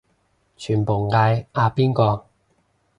全部嗌阿邊個